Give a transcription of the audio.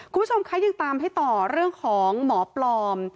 คุณผู้ชมคะยังตามให้ต่อเรื่องของหมอปลอม